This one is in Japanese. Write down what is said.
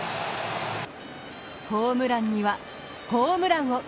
ホームランには、ホームランを。